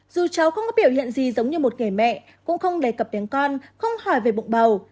dù cháu không có biểu hiện gì giống như một người mẹ cũng không đề cập đến con không hỏi về bụng bầu